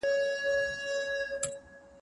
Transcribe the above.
ما د خپلې خور لپاره یو نوی رنګه ټیکری واخیست.